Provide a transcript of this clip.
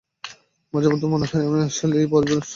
মাঝে মধ্যে মনে হয় আমি আসলেই আই পরিবারের অংশ, কিন্ত পুরোপুরি না।